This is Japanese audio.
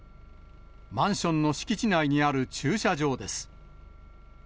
マンションの敷地内にある駐車場です。